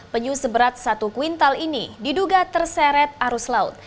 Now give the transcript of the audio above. penyu seberat satu kuintal ini diduga terseret arus laut